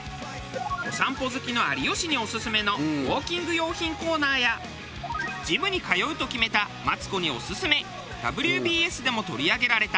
お散歩好きの有吉にオススメのウォーキング用品コーナーやジムに通うと決めたマツコにオススメ『ＷＢＳ』でも取り上げられた